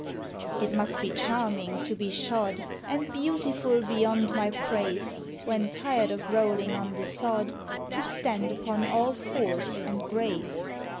It must be charming to be shod, And beautiful beyond my praise, When tired of rolling on the sod, To stand upon all fours and graze!